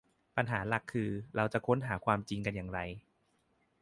ปัญหาหลักคือ เราจะค้นหาความจริงกันอย่างไร